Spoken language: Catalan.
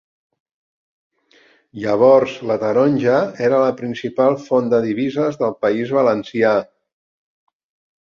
Llavors la taronja era la principal font de divises del País Valencià.